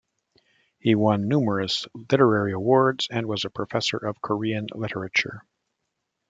He won numerous literary awards and was a professor of Korean Literature.